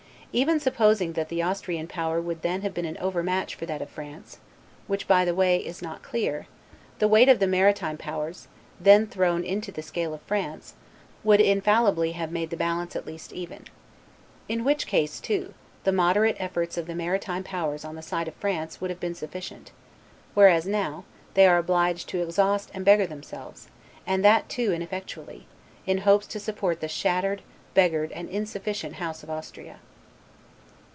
Even supposing that the Austrian power would then have been an overmatch for that of France (which, by the way, is not clear), the weight of the maritime powers, then thrown into the scale of France, would infallibly have made the balance at least even. In which case too, the moderate efforts of the maritime powers on the side of France would have been sufficient; whereas now, they are obliged to exhaust and beggar themselves; and that too ineffectually, in hopes to support the shattered; beggared, and insufficient House of Austria.